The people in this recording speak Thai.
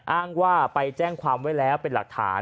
อ้างว่าไปแจ้งความไว้แล้วเป็นหลักฐาน